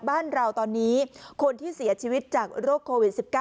บ้านเราตอนนี้คนที่เสียชีวิตจากโรคโควิด๑๙